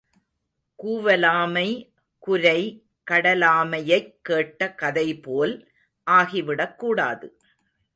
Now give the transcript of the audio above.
கூவலாமை, குரை கடலாமையைக் கேட்ட கதை போல் ஆகிவிடக்கூடாது.